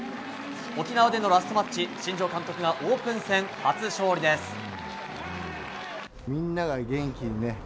沖縄でのラストマッチ新庄監督がオープン戦初勝利です。